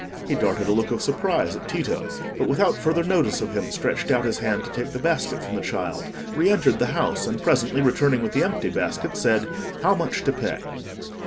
He darted a look of surprise at Tito, but without further notice of him stretched out his hand to take the basket from the child, re entered the house, and presently returning with the empty basket, said, "How much to pay?"